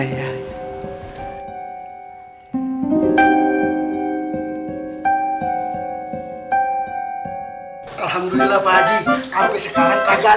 jangan lupa subscribe channel ini